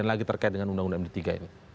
lagi terkait dengan undang undang md tiga ini